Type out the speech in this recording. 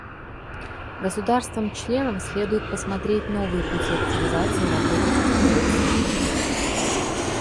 Государствам-членам следует посмотреть новые пути активизации работы Конференции.